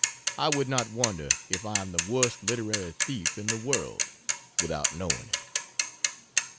I would not wonder if I am the worst literary thief in the world, without knowing it.